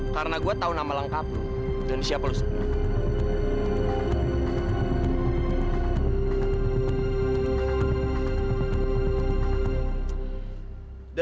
karena gue tau nama lengkap lu dan siapa lu sendiri